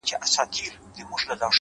دا ستا شعرونه مي د زړه آواز دى-